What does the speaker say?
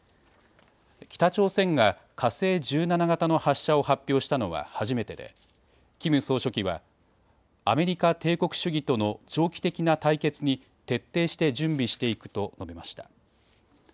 北朝鮮が火星１７型の発射を発表したのは初めてでキム総書記はアメリカ帝国主義との長期的な対決に徹底して準備していくと述べました。